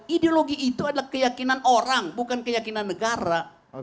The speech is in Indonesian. ideologi itu adalah keyakinan orang bukan keyakinan negara